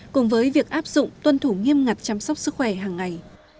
cùng với việc áp dụng tuân thủ nghiêm ngặt chăm sóc sức khỏe hàng ngày